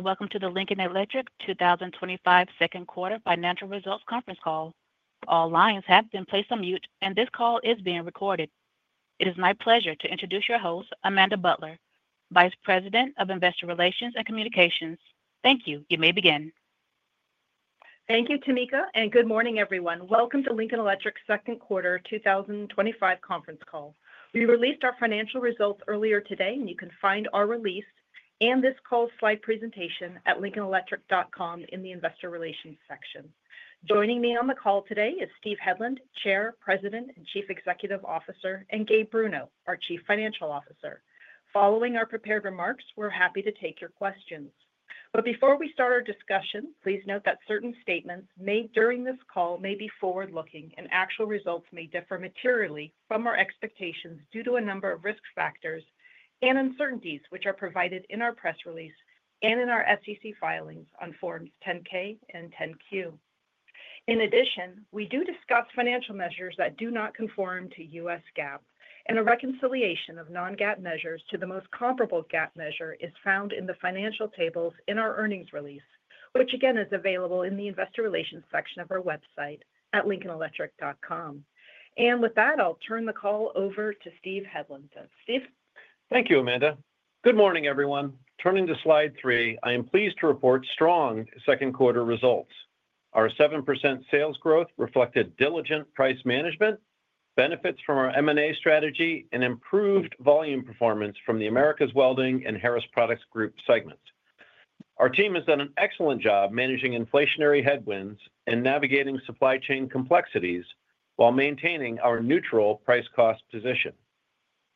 Welcome to the Lincoln Electric 2025 Second Quarter Financial Results Conference Call. All lines have been placed on mute, and this call is being recorded. It is my pleasure to introduce your host, Amanda Butler, Vice President of Investor Relations and Communications. Thank you. You may begin. Thank you, Tameka, and good morning, everyone. Welcome to Lincoln Electric Second Quarter 2025 Conference Call. We released our financial results earlier today, and you can find our release and this call's slide presentation at lincolnelectric.com in the Investor Relations section. Joining me on the call today is Steve Hedlund, Chair, President, and Chief Executive Officer, and Gabe Bruno, our Chief Financial Officer. Following our prepared remarks, we're happy to take your questions. Please note that certain statements made during this call may be forward-looking, and actual results may differ materially from our expectations due to a number of risk factors and uncertainties which are provided in our press release and in our SEC filings on Forms 10-K and 10-Q. In addition, we do discuss financial measures that do not conform to U.S. GAAP, and a reconciliation of non-GAAP measures to the most comparable GAAP measure is found in the financial tables in our earnings release, which again is available in the Investor Relations section of our website at lincolnelectric.com. With that, I'll turn the call over to Steve Hedlund. Steve. Thank you, Amanda. Good morning, everyone. Turning to slide three, I am pleased to report strong second quarter results. Our 7% sales growth reflected diligent price management, benefits from our M&A strategy, and improved volume performance from the Americas Welding and Harris Products Group segments. Our team has done an excellent job managing inflationary headwinds and navigating supply chain complexities while maintaining our neutral price-cost posture.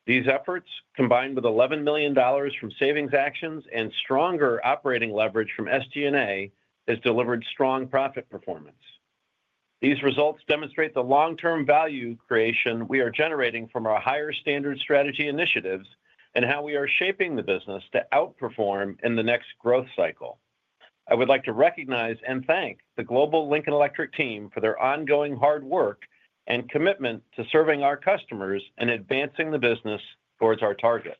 These efforts, combined with $11 million from savings actions and stronger operating leverage from SG&A, have delivered strong profit performance. These results demonstrate the long-term value creation we are generating from our higher standard strategy initiatives and how we are shaping the business to outperform in the next growth cycle. I would like to recognize and thank the global Lincoln Electric team for their ongoing hard work and commitment to serving our customers and advancing the business towards our targets.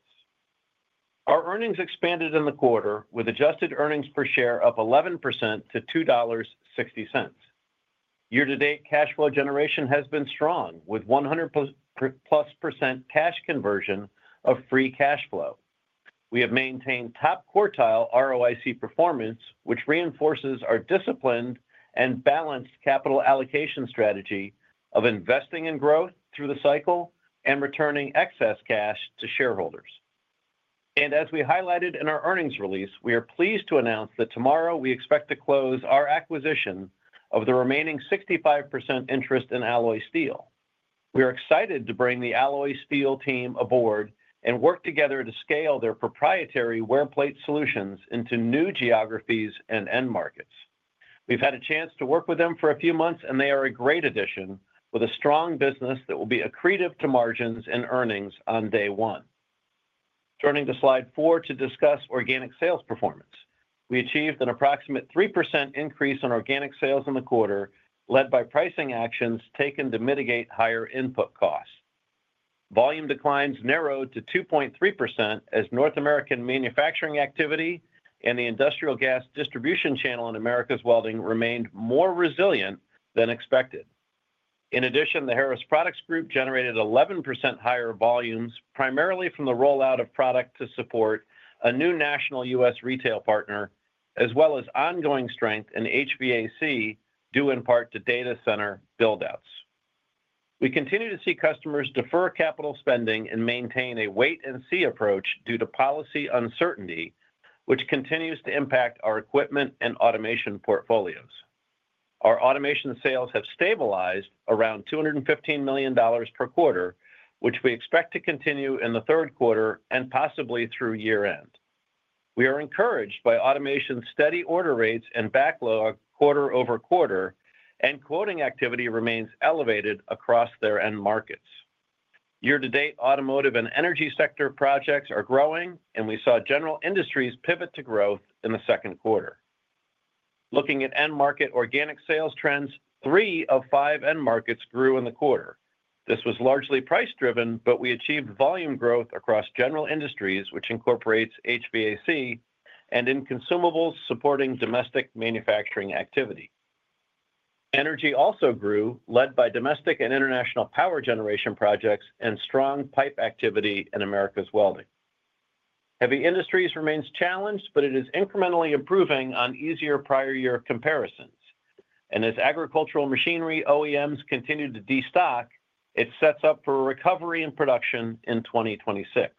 Our earnings expanded in the quarter with adjusted earnings per share up 11% to $2.60. Year-to-date cash flow generation has been strong with 100%+ cash conversion of free cash flow. We have maintained top quartile ROIC performance, which reinforces our disciplined and balanced capital allocation strategy of investing in growth through the cycle and returning excess cash to shareholders. As we highlighted in our earnings release, we are pleased to announce that tomorrow we expect to close our acquisition of the remaining 65% interest in Alloy Steel. We are excited to bring the Alloy Steel team aboard and work together to scale their proprietary wear plate solutions into new geographies and end markets. We've had a chance to work with them for a few months, and they are a great addition with a strong business that will be accretive to margins and earnings on day one. Turning to slide four to discuss organic sales performance, we achieved an approximate 3% increase in organic sales in the quarter led by pricing actions taken to mitigate higher input costs. Volume declines narrowed to 2.3% as North American manufacturing activity and the industrial gas distribution channel in Americas Welding remained more resilient than expected. In addition, the Harris Products Group generated 11% higher volumes primarily from the rollout of product to support a new national U.S. retail partner, as well as ongoing strength in HVAC due in part to data center buildouts. We continue to see customers defer capital spending and maintain a wait-and-see approach due to policy uncertainty, which continues to impact our equipment and automation portfolios. Our automation sales have stabilized around $215 million per quarter, which we expect to continue in the third quarter and possibly through year-end. We are encouraged by automation's steady order rates and backlog quarter over quarter, and quoting activity remains elevated across their end markets. Year-to-date automotive and energy sector projects are growing, and we saw general industries pivot to growth in the second quarter. Looking at end market organic sales trends, three of five end markets grew in the quarter. This was largely price-driven, but we achieved volume growth across general industries, which incorporates HVAC and in consumables supporting domestic manufacturing activity. Energy also grew, led by domestic and international power generation projects and strong pipe activity in Americas Welding. Heavy industries remain challenged, but it is incrementally improving on easier prior-year comparisons. As agricultural machinery OEMs continue to destock, it sets up for a recovery in production in 2026.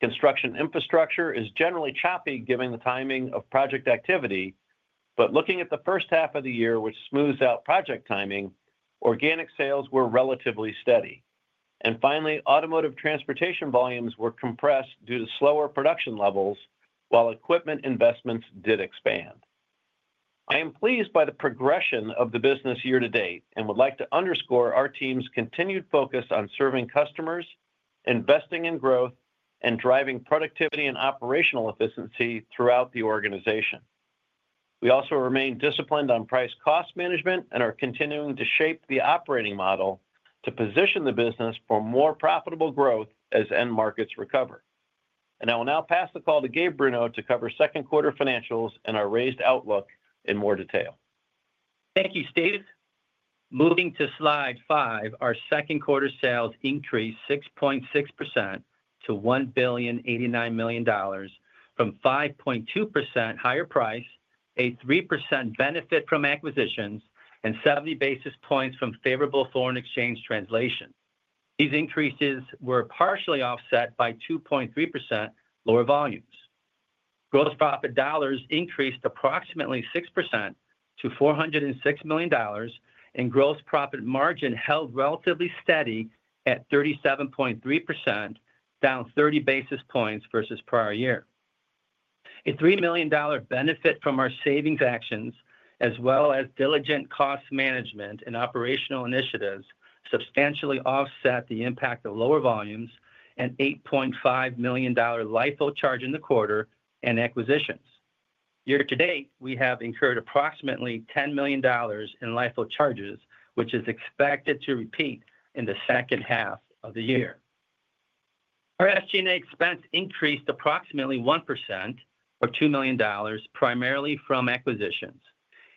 Construction infrastructure is generally choppy given the timing of project activity, but looking at the first half of the year, which smooths out project timing, organic sales were relatively steady. Finally, automotive transportation volumes were compressed due to slower production levels, while equipment investments did expand. I am pleased by the progression of the business year-to-date and would like to underscore our team's continued focus on serving customers, investing in growth, and driving productivity and operational efficiency throughout the organization. We also remain disciplined on price-cost management and are continuing to shape the operating model to position the business for more profitable growth as end markets recover. I will now pass the call to Gabe Bruno to cover second quarter financials and our raised outlook in more detail. Thank you, Steve. Moving to slide five, our second quarter sales increased 6.6% to $1.89 billion from 5.2% higher price, a 3% benefit from acquisitions, and 70 basis points from favorable foreign exchange translation. These increases were partially offset by 2.3% lower volumes. Gross profit dollars increased approximately 6% to $406 million, and gross profit margin held relatively steady at 37.3%, down 30 basis points versus prior year. A $3 million benefit from our savings actions, as well as diligent cost management and operational initiatives, substantially offset the impact of lower volumes and $8.5 million LIFO charge in the quarter and acquisitions. Year-to-date, we have incurred approximately $10 million in LIFO charges, which is expected to repeat in the second half of the year. Our SG&A expense increased approximately 1% or $2 million, primarily from acquisitions.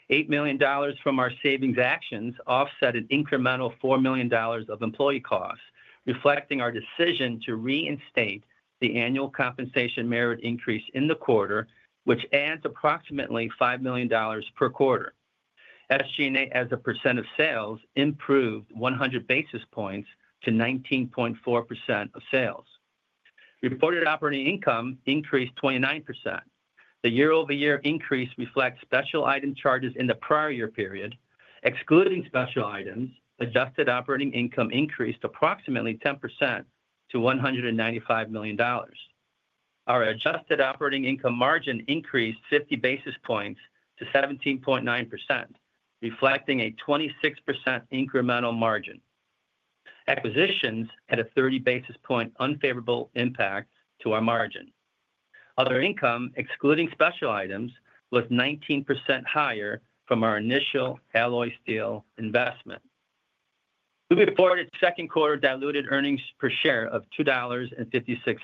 $8 million from our savings actions offset an incremental $4 million of employee costs, reflecting our decision to reinstate the annual compensation merit increase in the quarter, which adds approximately $5 million per quarter. SG&A as a percent of sales improved 100 basis points to 19.4% of sales. Reported operating income increased 29%. The year-over-year increase reflects special item charges in the prior year period. Excluding special items, adjusted operating income increased approximately 10% to $195 million. Our adjusted operating income margin increased 50 basis points to 17.9%, reflecting a 26% incremental margin. Acquisitions had a 30 basis point unfavorable impact to our margin. Other income, excluding special items, was 19% higher from our initial Alloy Steel investment. We reported second quarter diluted earnings per share of $2.56.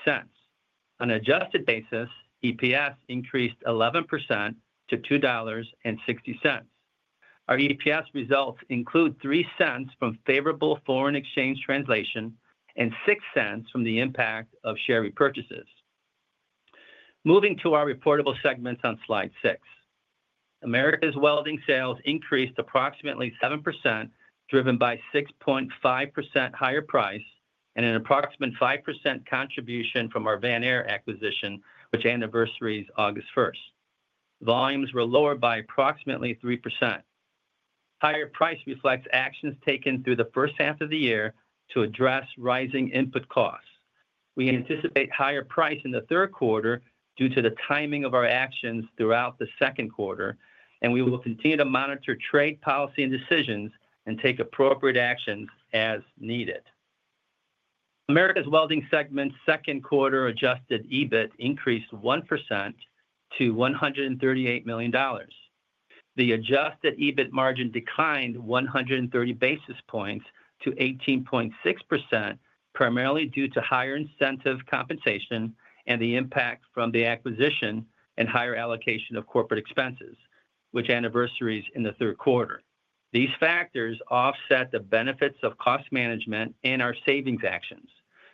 On an adjusted basis, EPS increased 11% to $2.60. Our EPS results include $0.03 from favorable foreign exchange translation and $0.06 from the impact of share repurchases. Moving to our reportable segments on slide six, Americas Welding sales increased approximately 7%, driven by 6.5% higher price and an approximate 5% contribution from our Van Air acquisition, which anniversaries August 1st. Volumes were lower by approximately 3%. Higher price reflects actions taken through the first half of the year to address rising input costs. We anticipate higher price in the third quarter due to the timing of our actions throughout the second quarter, and we will continue to monitor trade policy and decisions and take appropriate actions as needed. Americas Welding segment's second quarter adjusted EBIT increased 1% to $138 million. The adjusted EBIT margin declined 130 basis points to 18.6%, primarily due to higher incentive compensation and the impact from the acquisition and higher allocation of corporate expenses, which anniversaries in the third quarter. These factors offset the benefits of cost management and our savings actions.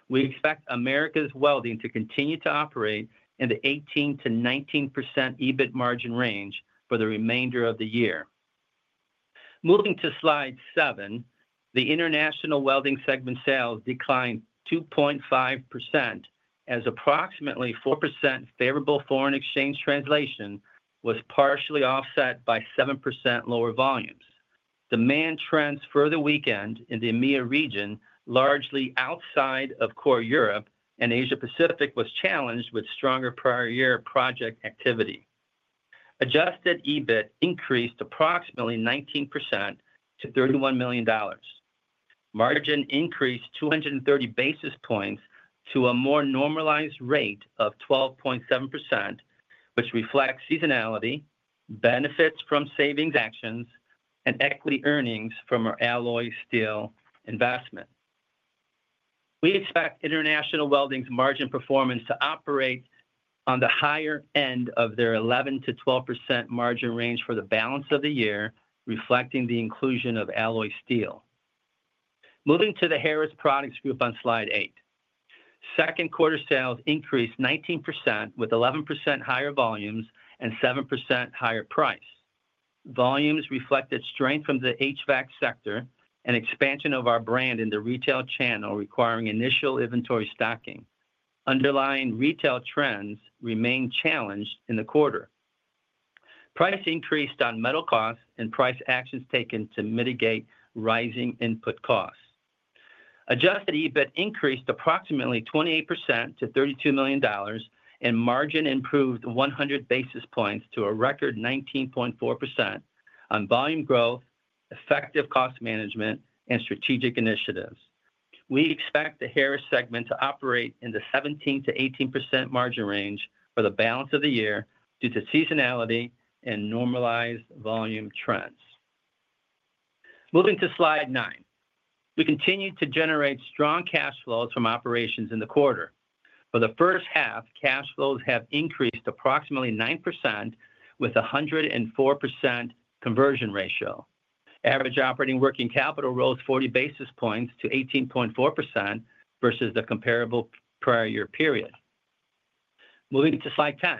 We expect Americas Welding to continue to operate in the 18%-19% EBIT margin range for the remainder of the year. Moving to slide seven, the International Welding segment sales declined 2.5% as approximately 4% favorable foreign exchange translation was partially offset by 7% lower volumes. Demand trends for the weekend in the EMEA region, largely outside of core Europe and Asia-Pacific, was challenged with stronger prior-year project activity. Adjusted EBIT increased approximately 19% to $31 million. Margin increased 230 basis points to a more normalized rate of 12.7%, which reflects seasonality, benefits from savings actions, and equity earnings from our Alloy Steel investment. We expect International Welding's margin performance to operate on the higher end of their 11%-12% margin range for the balance of the year, reflecting the inclusion of Alloy Steel. Moving to the Harris Products Group on slide eight. Second quarter sales increased 19% with 11% higher volumes and 7% higher price. Volumes reflected strength from the HVAC sector and expansion of our brand in the retail channel requiring initial inventory stocking. Underlying retail trends remain challenged in the quarter. Price increased on metal costs and price actions taken to mitigate rising input costs. Adjusted EBIT increased approximately 28% to $32 million, and margin improved 100 basis points to a record 19.4% on volume growth, effective cost management, and strategic initiatives. We expect the Harris segment to operate in the 17%- 18% margin range for the balance of the year due to seasonality and normalized volume trends. Moving to slide nine, we continue to generate strong cash flows from operations in the quarter. For the first half, cash flows have increased approximately 9% with a 104% conversion ratio. Average operating working capital rose 40 basis points to 18.4% versus the comparable prior-year period. Moving to slide 10.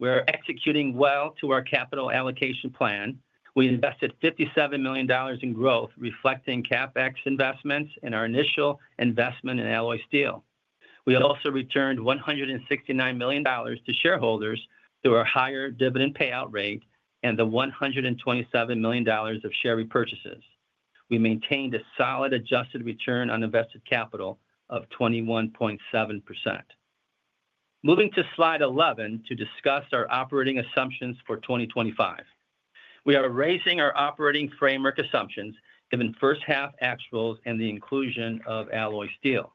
We're executing well to our capital allocation plan. We invested $57 million in growth, reflecting CapEx investments in our initial investment in Alloy Steel. We also returned $169 million to shareholders through our higher dividend payout rate and the $127 million of share repurchases. We maintained a solid adjusted return on invested capital of 21.7%. Moving to slide 11 to discuss our operating assumptions for 2025. We are raising our operating framework assumptions given first-half actuals and the inclusion of Alloy Steel.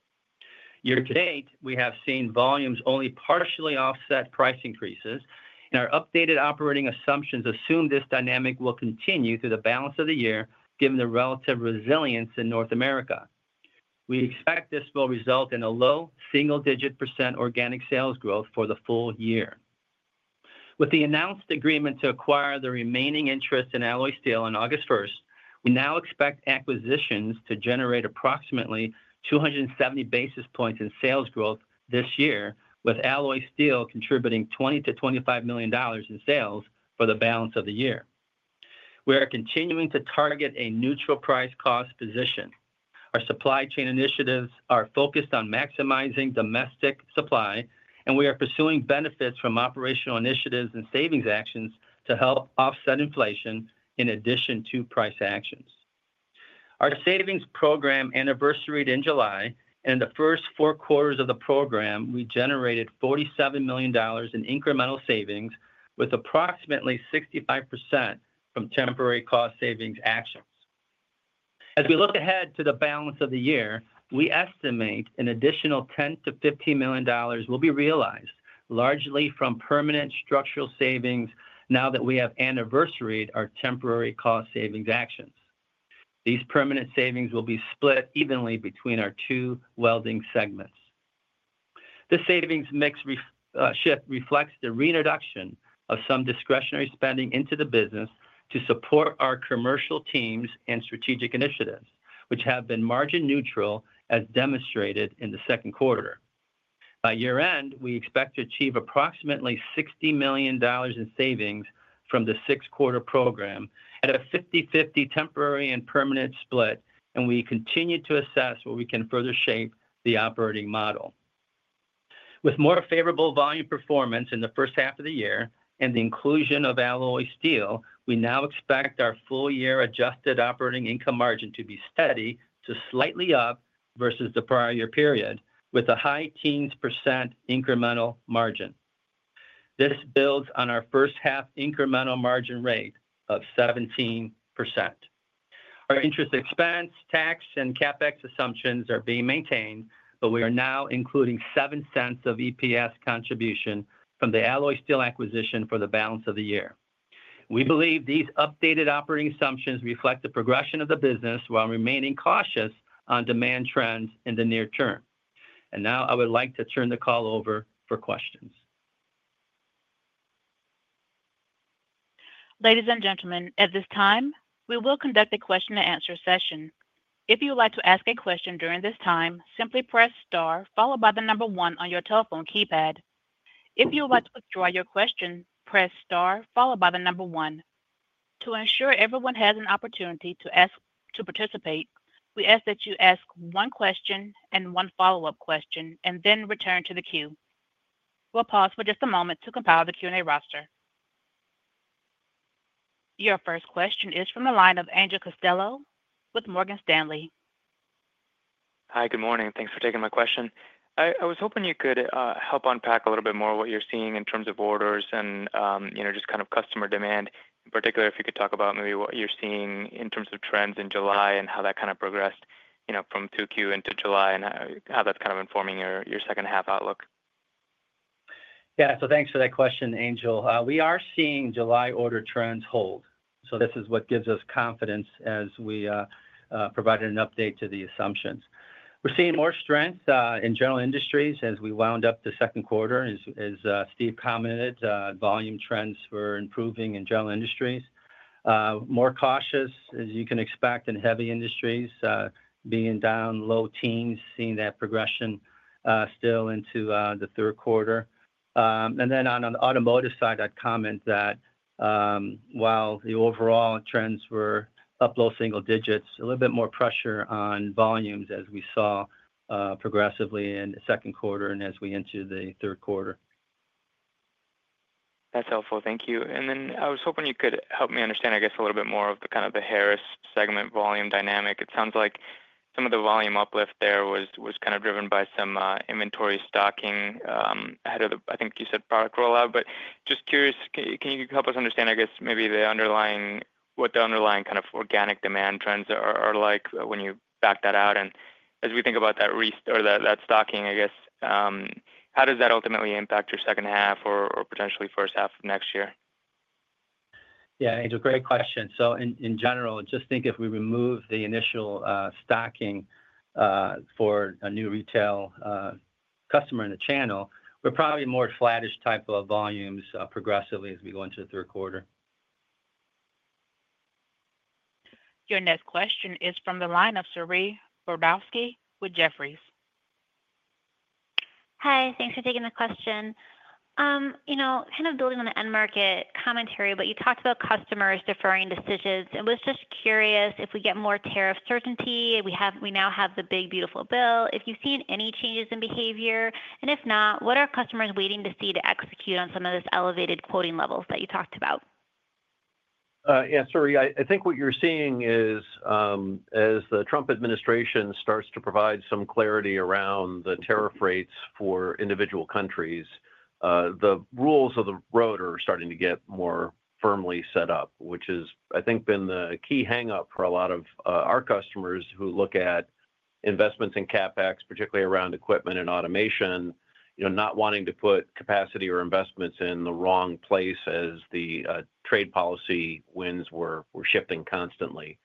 Year-to-date, we have seen volumes only partially offset price increases, and our updated operating assumptions assume this dynamic will continue through the balance of the year given the relative resilience in North America. We expect this will result in a low single-digit percent organic sales growth for the full year. With the announced agreement to acquire the remaining interest in Alloy Steel on August 1st, we now expect acquisitions to generate approximately 270 basis points in sales growth this year, with Alloy Steel contributing $20 million-$25 million in sales for the balance of the year. We are continuing to target a neutral price-cost position. Our supply chain initiatives are focused on maximizing domestic supply, and we are pursuing benefits from operational initiatives and savings actions to help offset inflation in addition to price actions. Our savings program anniversaried in July, and in the first four quarters of the program, we generated $47 million in incremental savings, with approximately 65% from temporary cost savings actions. As we look ahead to the balance of the year, we estimate an additional $10 million-$15 million will be realized, largely from permanent structural savings now that we have anniversaried our temporary cost savings actions. These permanent savings will be split evenly between our two welding segments. The savings mix shift reflects the reintroduction of some discretionary spending into the business to support our commercial teams and strategic initiatives, which have been margin neutral, as demonstrated in the second quarter. By year-end, we expect to achieve approximately $60 million in savings from the six-quarter program at a 50/50 temporary and permanent split, and we continue to assess where we can further shape the operating model. With more favorable volume performance in the first half of the year and the inclusion of Alloy Steel, we now expect our full-year adjusted operating income margin to be steady to slightly up versus the prior-year period, with a high 18% incremental margin. This builds on our first-half incremental margin rate of 17%. Our interest expense, tax, and CapEx assumptions are being maintained, but we are now including $0.07 of EPS contribution from the Alloy Steel acquisition for the balance of the year. We believe these updated operating assumptions reflect the progression of the business while remaining cautious on demand trends in the near term. I would like to turn the call over for questions. Ladies and gentlemen, at this time, we will conduct a question-and-answer session. If you would like to ask a question during this time, simply press star followed by the number one on your telephone keypad. If you would like to withdraw your question, press star followed by the number one. To ensure everyone has an opportunity to participate, we ask that you ask one question and one follow-up question, and then return to the queue. We'll pause for just a moment to compile the Q&A roster. Your first question is from the line of Angel Castillo with Morgan Stanley. Hi, good morning. Thanks for taking my question. I was hoping you could help unpack a little bit more what you're seeing in terms of orders and just kind of customer demand. In particular, if you could talk about maybe what you're seeing in terms of trends in July and how that kind of progressed from Q2 into July and how that's kind of informing your second-half outlook. Yeah, thanks for that question, Angel. We are seeing July order trends hold. This is what gives us confidence as we provided an update to the assumptions. We're seeing more strength in general industries as we wound up the second quarter, as Steve commented. Volume trends were improving in general industries. More cautious, as you can expect, in heavy industries being down low teens, seeing that progression still into the third quarter. On the automotive side, I'd comment that while the overall trends were up low single digits, a little bit more pressure on volumes as we saw progressively in the second quarter and as we enter the third quarter. That's helpful. Thank you. I was hoping you could help me understand, I guess, a little bit more of the kind of the Harris segment volume dynamic. It sounds like some of the volume uplift there was kind of driven by some inventory stocking ahead of the, I think you said, product rollout. Just curious, can you help us understand, I guess, maybe what the underlying kind of organic demand trends are like when you back that out? As we think about that stocking, I guess, how does that ultimately impact your second half or potentially first half of next year? Yeah, Angel, great question. In general, just think if we remove the initial stocking for a new retail customer in the channel, we're probably more flattish type of volumes progressively as we go into the third quarter. Your next question is from the line of Saree Boroditsky with Jefferies. Hi, thanks for taking the question. Kind of building on the end market commentary, you talked about customers deferring decisions. I was just curious if we get more tariff certainty. We now have the big, beautiful bill. If you've seen any changes in behavior, and if not, what are customers waiting to see to execute on some of this elevated quoting activity that you talked about? Yeah, Sori, I think what you're seeing is as the Trump administration starts to provide some clarity around the tariff rates for individual countries, the rules of the road are starting to get more firmly set up, which has, I think, been the key hang-up for a lot of our customers who look at investments in CapEx, particularly around equipment and automation, not wanting to put capacity or investments in the wrong place as the trade policy winds were shifting constantly.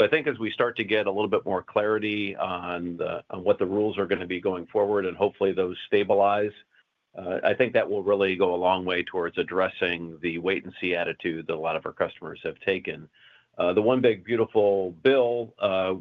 I think as we start to get a little bit more clarity on what the rules are going to be going forward and hopefully those stabilize, I think that will really go a long way towards addressing the wait-and-see attitude that a lot of our customers have taken. The one big, beautiful bill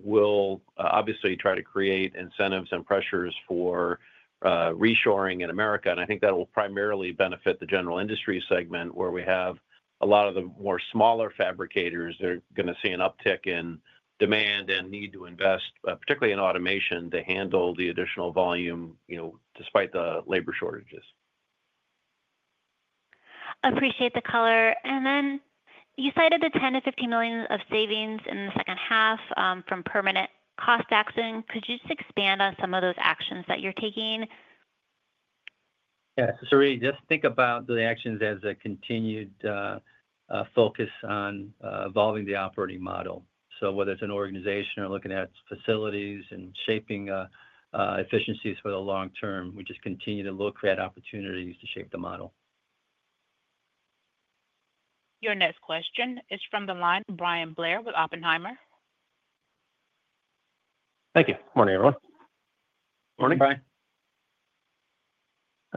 will obviously try to create incentives and pressures for reshoring in America. I think that will primarily benefit the general industry segment where we have a lot of the more smaller fabricators that are going to see an uptick in demand and need to invest, particularly in automation, to handle the additional volume despite the labor shortages. Appreciate the color. You cited the $10 million-$15 million of savings in the second half from permanent cost actions. Could you just expand on some of those actions that you're taking? Yeah, just think about the actions as a continued focus on evolving the operating model. Whether it's an organization or looking at facilities and shaping efficiencies for the long term, we just continue to look for opportunities to shape the model. Your next question is from the line of Bryan Blair with Oppenheimer. Thank you. Good morning, everyone. Morning.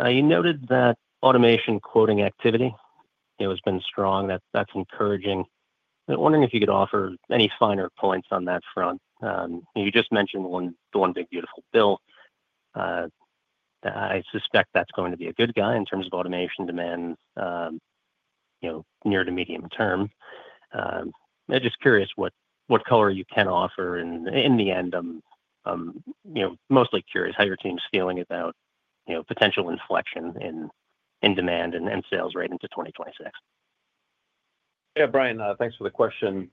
You noted that automation quoting activity has been strong. That's encouraging. I'm wondering if you could offer any finer points on that front. You just mentioned the one big, beautiful bill. I suspect that's going to be a good guy in terms of automation demand near to medium term. I'm just curious what color you can offer. In the end, I'm mostly curious how your team's feeling about potential inflection in demand and sales rate into 2026. Yeah, Bryan, thanks for the question.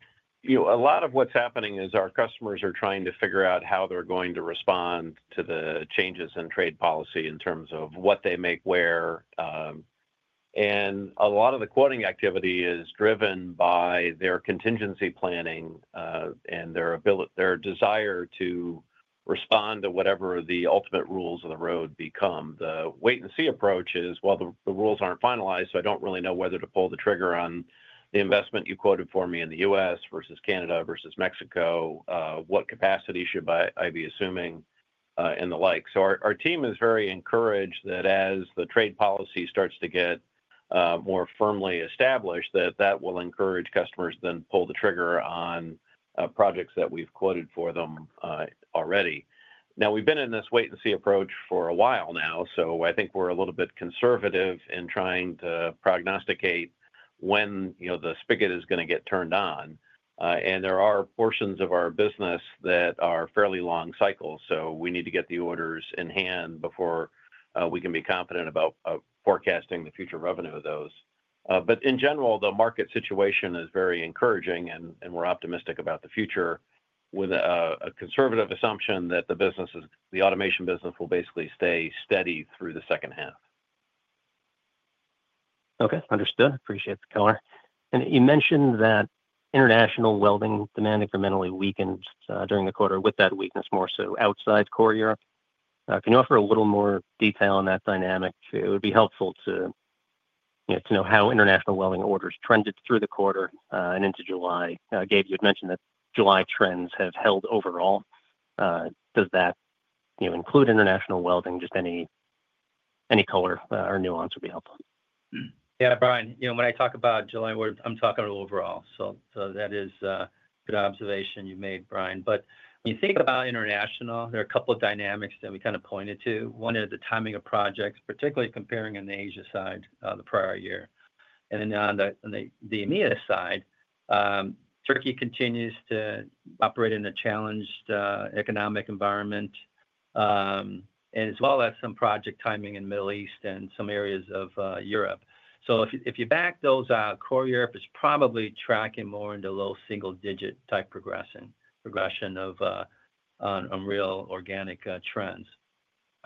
A lot of what's happening is our customers are trying to figure out how they're going to respond to the changes in trade policy in terms of what they make where. A lot of the quoting activity is driven by their contingency planning and their desire to respond to whatever the ultimate rules of the road become. The wait-and-see approach is, the rules aren't finalized, so I don't really know whether to pull the trigger on the investment you quoted for me in the U.S. versus Canada versus Mexico. What capacity should I be assuming and the like. Our team is very encouraged that as the trade policy starts to get more firmly established, that will encourage customers to then pull the trigger on projects that we've quoted for them already. We've been in this wait-and-see approach for a while now, so I think we're a little bit conservative in trying to prognosticate when the spigot is going to get turned on. There are portions of our business that are fairly long cycles, so we need to get the orders in hand before we can be confident about forecasting the future revenue of those. In general, the market situation is very encouraging, and we're optimistic about the future with a conservative assumption that the automation business will basically stay steady through the second half. Okay, understood. Appreciate the color. You mentioned that International Welding demand incrementally weakened during the quarter, with that weakness more so outside core Europe. Can you offer a little more detail on that dynamic? It would be helpful to know how International Welding orders trended through the quarter and into July. Gabe, you had mentioned that July trends have held overall. Does that include International Welding? Any color or nuance would be helpful. Yeah, Brian, when I talk about July, I'm talking overall. That is a good observation you made, Brian. When you think about International, there are a couple of dynamics that we kind of pointed to. One is the timing of projects, particularly comparing on the Asia side of the prior year, and then on the EMEA side. Turkey continues to operate in a challenged economic environment, as well as some project timing in the Middle East and some areas of Europe. If you back those out, core Europe is probably tracking more into low single-digit type progression of real organic trends.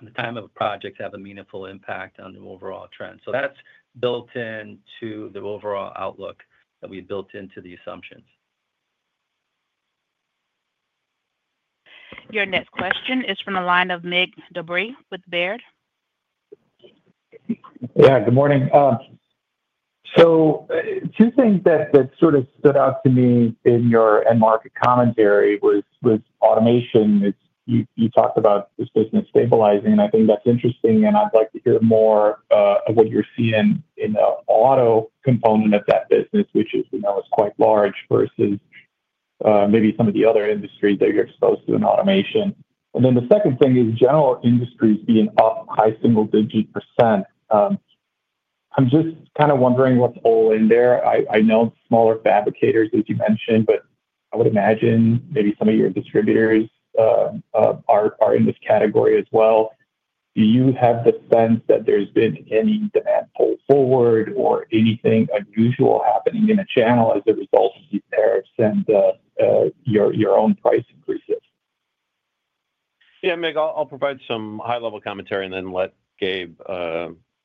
The timing of projects has a meaningful impact on the overall trend. That is built into the overall outlook that we built into the assumptions. Your next question is from the line of Migs Dobre with Baird. Good morning. Two things that sort of stood out to me in your end market commentary were automation. You talked about this business stabilizing, and I think that's interesting, and I'd like to hear more of what you're seeing in the auto component of that business, which we know is quite large versus maybe some of the other industries that you're exposed to in automation. The second thing is general industries being up high single-digit percent. I'm just kind of wondering what's all in there. I know smaller fabricators, as you mentioned, but I would imagine maybe some of your distributors are in this category as well. Do you have the sense that there's been any demand pull forward or anything unusual happening in a channel as a result of these trade tariffs and your own price increases? Yeah, Mig, I'll provide some high-level commentary and then let Gabe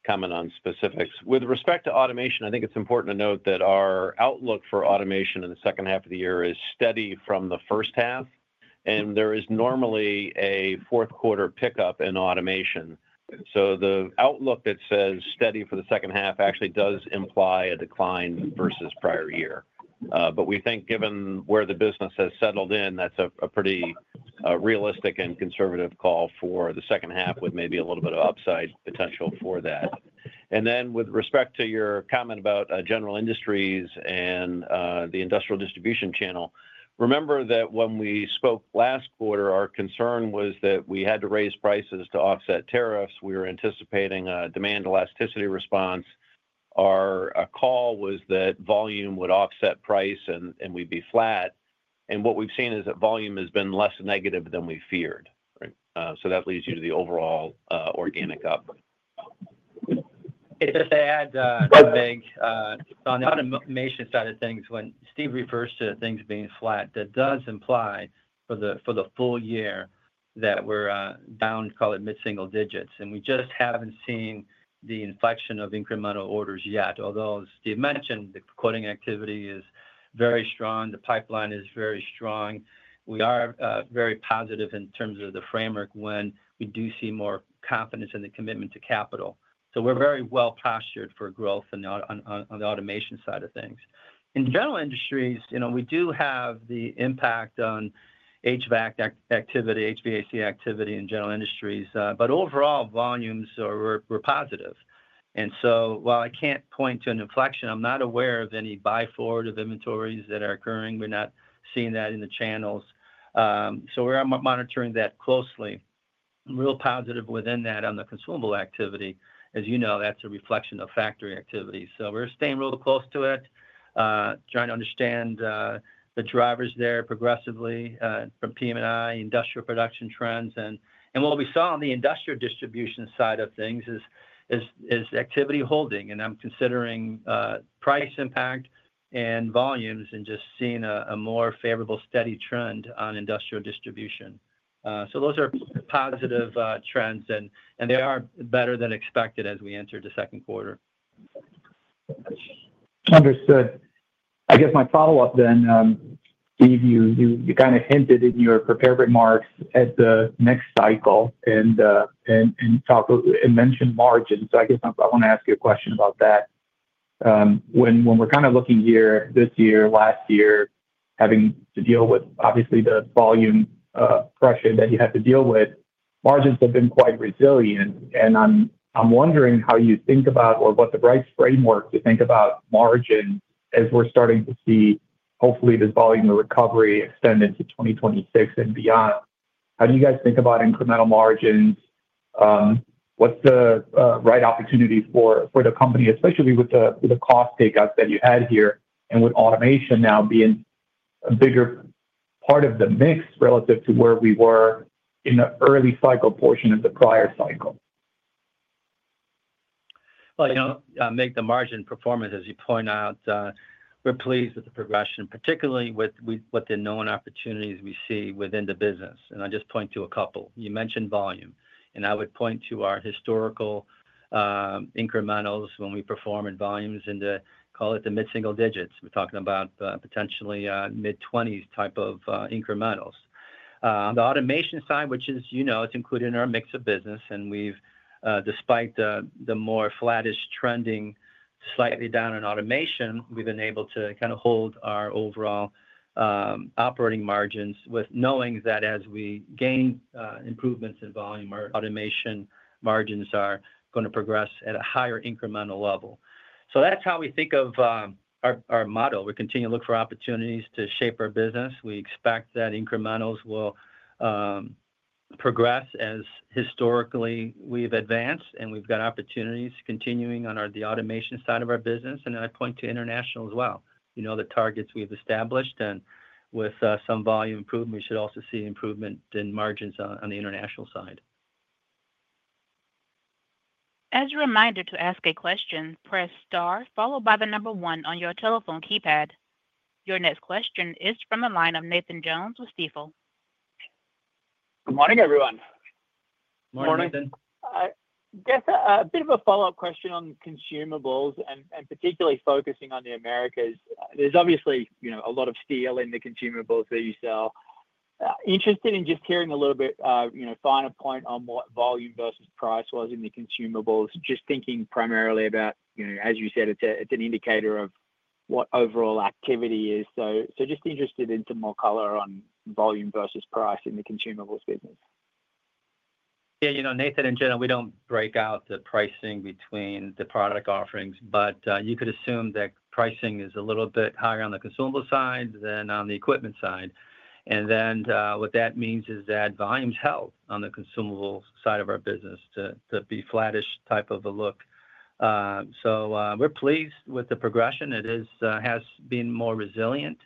comment on specifics. With respect to automation, I think it's important to note that our outlook for automation in the second half of the year is steady from the first half. There is normally a fourth-quarter pickup in automation. The outlook that says steady for the second half actually does imply a decline versus prior year. We think given where the business has settled in, that's a pretty realistic and conservative call for the second half with maybe a little bit of upside potential for that. With respect to your comment about general industries and the industrial distribution channel, remember that when we spoke last quarter, our concern was that we had to raise prices to offset tariffs. We were anticipating a demand elasticity response. Our call was that volume would offset price and we'd be flat. What we've seen is that volume has been less negative than we feared. That leads you to the overall organic up. If I had to add, Mig, on the automation side of things, when Steve refers to things being flat, that does imply for the full year that we're down, call it mid-single digits. We just haven't seen the inflection of incremental orders yet. Although Steve mentioned the quoting activity is very strong, the pipeline is very strong. We are very positive in terms of the framework when we do see more confidence in the commitment to capital. We're very well postured for growth on the automation side of things. In general industries, we do have the impact on HVAC activity, HVAC activity in general industries, but overall volumes were positive. While I can't point to an inflection, I'm not aware of any buy-forward of inventories that are occurring. We're not seeing that in the channels. We're monitoring that closely. Real positive within that on the consumable activity. As you know, that's a reflection of factory activity. We're staying real close to it, trying to understand the drivers there progressively from PM&I, industrial production trends. What we saw on the industrial distribution side of things is activity holding. I'm considering price impact and volumes and just seeing a more favorable steady trend on industrial distribution. Those are positive trends, and they are better than expected as we enter the second quarter. Understood. I guess my follow-up then, Steve, you kind of hinted in your prepared remarks at the next cycle and mentioned margins. I want to ask you a question about that. When we're kind of looking here this year, last year, having to deal with obviously the volume pressure that you have to deal with, margins have been quite resilient. I'm wondering how you think about or what the right framework to think about margins as we're starting to see, hopefully, this volume of recovery extend into 2026 and beyond. How do you guys think about incremental margins? What's the right opportunity for the company, especially with the cost takeouts that you had here, and with automation now being a bigger part of the mix relative to where we were in the early cycle portion of the prior cycle? Mig, the margin performance, as you point out, we're pleased with the progression, particularly with the known opportunities we see within the business. I'll just point to a couple. You mentioned volume, and I would point to our historical incrementals. When we perform in volumes and call it the mid-single digits, we're talking about potentially mid-20s type of incrementals. On the automation side, which is, as you know, included in our mix of business, despite the more flattish trending slightly down in automation, we've been able to kind of hold our overall operating margins. Knowing that as we gain improvements in volume, our automation margins are going to progress at a higher incremental level, that's how we think of our model. We continue to look for opportunities to shape our business. We expect that incrementals will progress as historically we've advanced, and we've got opportunities continuing on the automation side of our business. I point to international as well. You know the targets we've established, and with some volume improvement, we should also see improvement in margins on the international side. As a reminder to ask a question, press star followed by the number one on your telephone keypad. Your next question is from the line of Nathan Jones with Stifel. Good morning, everyone. Morning, Nathan. Morning. I guess a bit of a follow-up question on consumables and particularly focusing on the Americas. There's obviously a lot of steel in the consumables that you sell. Interested in just hearing a little bit of a finer point on what volume versus price was in the consumables, just thinking primarily about, as you said, it's an indicator of what overall activity is. Just interested in some more color on volume versus price in the consumables business. Yeah, you know, Nathan and Jenna, we don't break out the pricing between the product offerings, but you could assume that pricing is a little bit higher on the consumable side than on the equipment side. What that means is that volumes held on the consumable side of our business to be flattish type of a look. We're pleased with the progression. It has been more resilient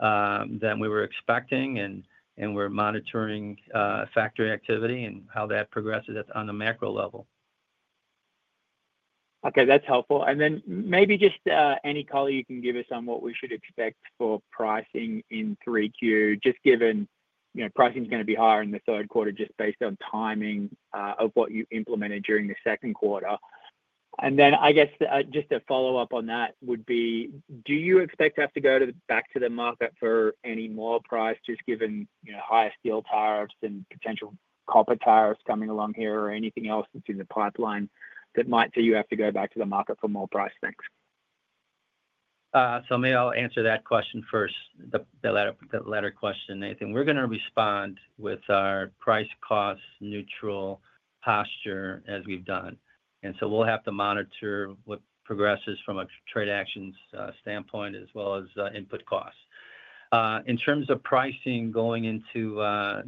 than we were expecting, and we're monitoring factory activity and how that progresses on the macro level. Okay, that's helpful. Maybe just any color you can give us on what we should expect for pricing in 3Q, just given pricing is going to be higher in the third quarter just based on timing of what you implemented during the second quarter. I guess just a follow-up on that would be, do you expect to have to go back to the market for any more price just given higher steel tariffs and potential copper tariffs coming along here or anything else that's in the pipeline that might say you have to go back to the market for more price things? I'll answer that question first, the latter question, Nathan. We're going to respond with our price-cost neutral posture as we've done. We'll have to monitor what progresses from a trade actions standpoint as well as input costs. In terms of pricing going into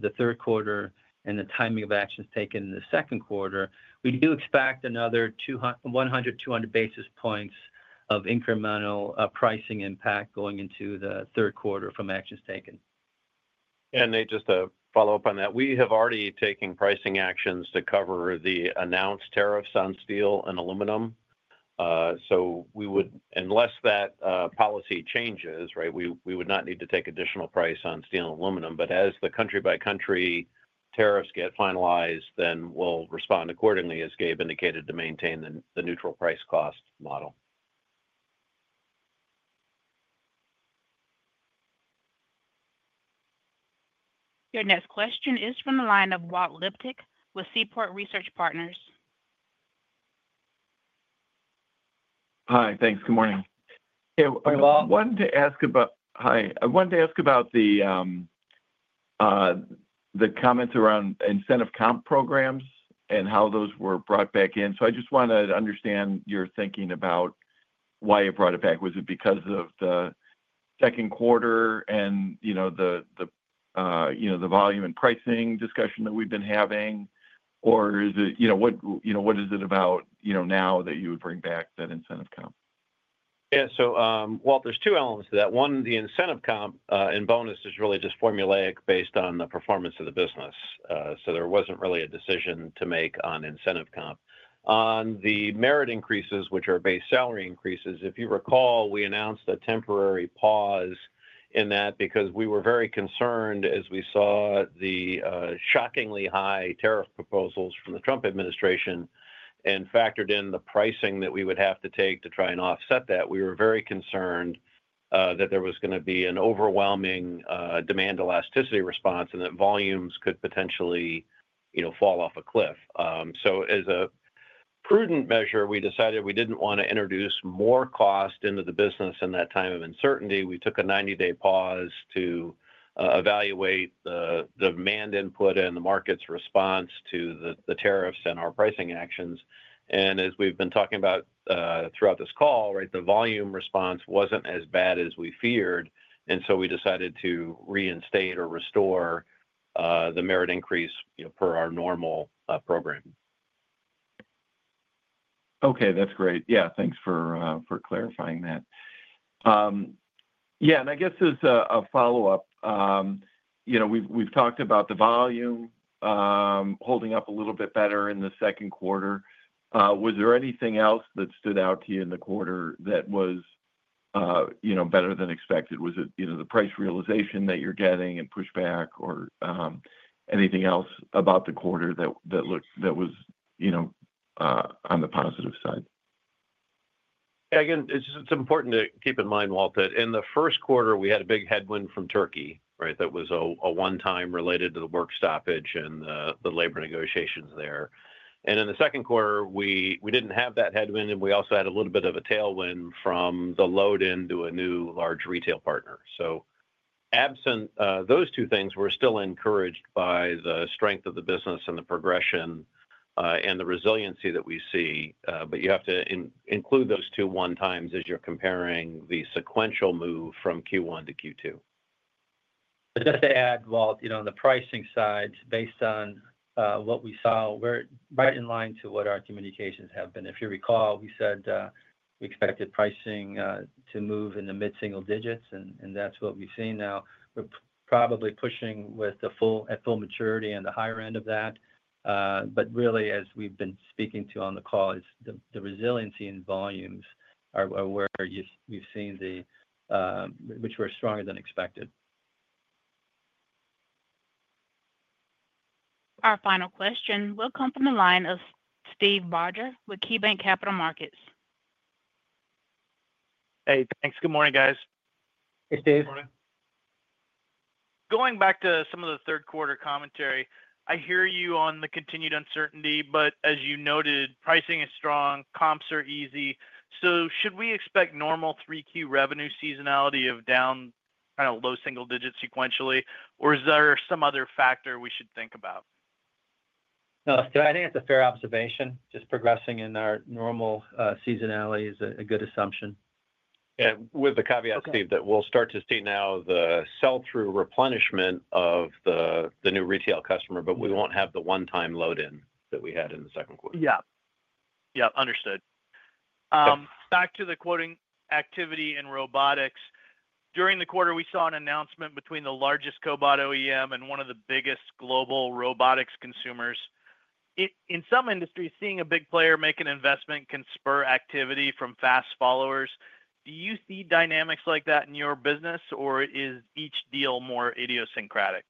the third quarter and the timing of actions taken in the second quarter, we do expect another 100 basis points-200 basis points of incremental pricing impact going into the third quarter from actions taken. We have already taken pricing actions to cover the announced trade tariffs on steel and aluminum. Unless that policy changes, we would not need to take additional price on steel and aluminum. As the country-by-country trade tariffs get finalized, we'll respond accordingly, as Gabe indicated, to maintain the neutral price-cost posture. Your next question is from the line of Walt Liptak with Seaport Research Partners. Hi, thanks. Good morning. Hey, Walt? I wanted to ask about the comments around incentive comp programs and how those were brought back in. I just want to understand your thinking about why you brought it back. Was it because of the second quarter and the volume and pricing discussion that we've been having, or is it—what is it about now that you would bring back that incentive comp? Yeah, so Walt, there's two elements to that. One, the incentive comp and bonus is really just formulaic based on the performance of the business. There wasn't really a decision to make on incentive comp. On the merit increases, which are base salary increases, if you recall, we announced a temporary pause in that because we were very concerned as we saw the shockingly high tariff proposals from the Trump administration and factored in the pricing that we would have to take to try and offset that. We were very concerned that there was going to be an overwhelming demand elasticity response and that volumes could potentially fall off a cliff. As a prudent measure, we decided we didn't want to introduce more cost into the business in that time of uncertainty. We took a 90-day pause to evaluate the demand input and the market's response to the tariffs and our pricing actions. As we've been talking about throughout this call, the volume response wasn't as bad as we feared, and we decided to reinstate or restore the merit increase per our normal program. Okay, that's great. Thanks for clarifying that. I guess as a follow-up, we've talked about the volume holding up a little bit better in the second quarter. Was there anything else that stood out to you in the quarter that was better than expected? Was it the price realization that you're getting and pushback, or anything else about the quarter that was on the positive side? Yeah, again, it's important to keep in mind, Walt, that in the first quarter, we had a big headwind from Turkey that was a one-time related to the work stoppage and the labor negotiations there. In the second quarter, we didn't have that headwind, and we also had a little bit of a tailwind from the load into a new large retail partner. Those two things were still encouraged by the strength of the business and the progression and the resiliency that we see. You have to include those two one times as you're comparing the sequential move from Q1 to Q2. Just to add, Walt, on the pricing side, based on what we saw, we're right in line to what our communications have been. If you recall, we said we expected pricing to move in the mid-single digits, and that's what we've seen now. We're probably pushing with the full maturity and the higher end of that. Really, as we've been speaking to on the call, the resiliency in volumes are where we've seen, which were stronger than expected. Our final question will come from the line of Steve Barger with KeyBanc Capital Markets. Hey, thanks. Good morning, guys. Hey, Steve. Morning. Going back to some of the third quarter commentary, I hear you on the continued uncertainty, but as you noted, pricing is strong, comps are easy. Should we expect normal 3Q revenue seasonality of down kind of low single digits sequentially, or is there some other factor we should think about? I think it's a fair observation. Just progressing in our normal seasonality is a good assumption. With the caveat, Steve, that we'll start to see now the sell-through replenishment of the new retail customer, we won't have the one-time load-in that we had in the second quarter. Yeah, understood. Back to the quoting activity in robotics. During the quarter, we saw an announcement between the largest cobot OEM and one of the biggest global robotics consumers. In some industries, seeing a big player make an investment can spur activity from fast followers. Do you see dynamics like that in your business, or is each deal more idiosyncratic?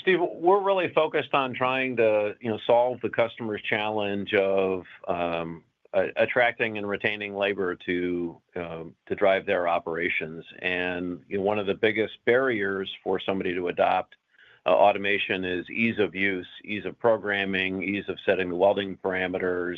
Steve, we're really focused on trying to solve the customer's challenge of attracting and retaining labor to drive their operations. One of the biggest barriers for somebody to adopt automation is ease of use, ease of programming, ease of setting the welding parameters,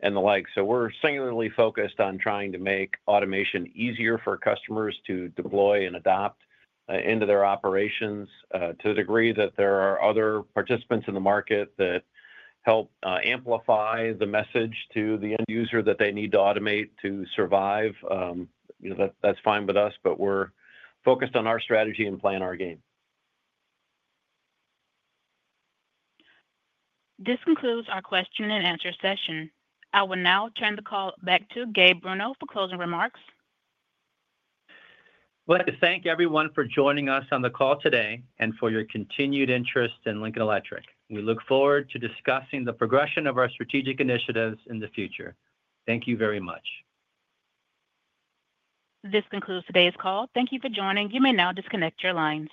and the like. We're singularly focused on trying to make automation easier for customers to deploy and adopt into their operations. To the degree that there are other participants in the market that help amplify the message to the end user that they need to automate to survive, that's fine with us, but we're focused on our strategy and playing our game. This concludes our question and answer session. I will now turn the call back to Gabe Bruno for closing remarks. Thank you everyone for joining us on the call today and for your continued interest in Lincoln Electric. We look forward to discussing the progression of our strategic initiatives in the future. Thank you very much. This concludes today's call. Thank you for joining. You may now disconnect your lines.